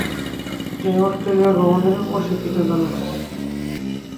তিনি অস্ট্রেলিয়া গমনে অস্বীকৃতি জানান।